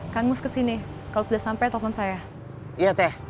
kandungnya di sini